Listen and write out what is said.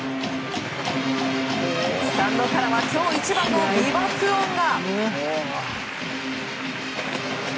スタンドからは今日一番の美爆音が！